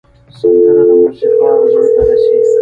سندره د موسیقار زړه ته رسي